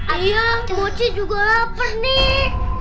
iya mochi juga lapar nek